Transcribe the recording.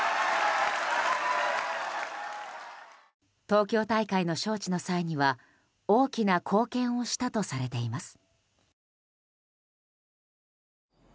東京大会の招致の際には大きな貢献をしたとされています。